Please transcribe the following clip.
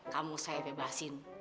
kamu saya bebasin